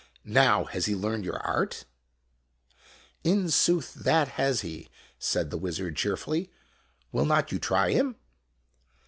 Now, has he learned your art ?" "In sooth, that has he," said the wizard, cheerfully. "Will not you try him